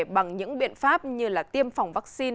bằng những biện pháp như là tiêm phòng vaccine